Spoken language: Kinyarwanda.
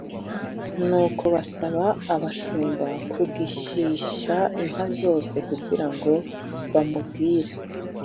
nuko basaba abashumba kugishisha inka zose, kugira ngo bamubwire